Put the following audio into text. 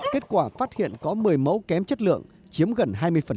kết quả phát hiện có một mươi mẫu kém chất lượng chiếm gần hai mươi